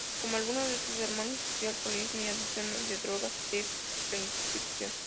Como algunos de sus hermanos, sufrió alcoholismo y adicción a drogas de prescripción.